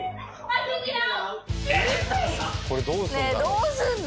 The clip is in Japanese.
ねえどうするの？